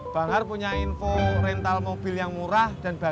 bang har punya info rental mobil yang murah dan jauh